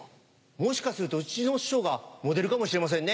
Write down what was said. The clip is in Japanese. もしかするとうちの師匠がモデルかもしれませんね。